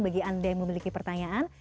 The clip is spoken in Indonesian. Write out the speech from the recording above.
bagi anda yang memiliki pertanyaan